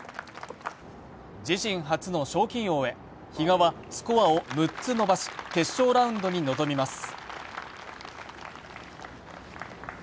自身初の賞金王へ比嘉はスコアを６つ伸ばし決勝ラウンドに臨みます。